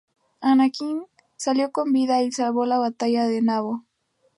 Anakin salió con vida y salvó la batalla de Naboo.